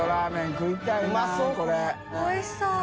おいしそう。